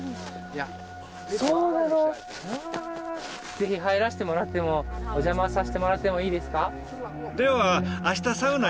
是非入らせてもらってもお邪魔させてもらってもいいですか？